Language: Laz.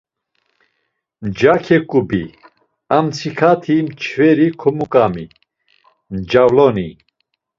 Mca ǩeǩubi, amtsiǩati mçveri komuǩami, mcavloni.